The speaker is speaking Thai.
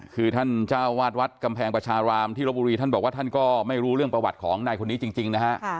คือท่านเจ้าวาดวัดกำแพงประชารามที่รบบุรีท่านบอกว่าท่านก็ไม่รู้เรื่องประวัติของนายคนนี้จริงนะฮะ